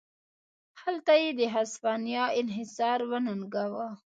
هلته یې د هسپانیا انحصار وننګاوه.